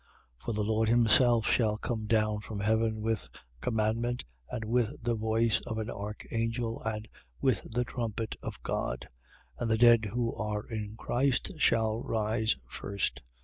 4:15. For the Lord himself shall come down from heaven with commandment and with the voice of an archangel and with the trumpet of God: and the dead who are in Christ shall rise first.